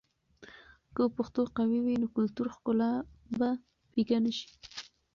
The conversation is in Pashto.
که پښتو قوي وي، نو کلتوري ښکلا به پیکه نه شي.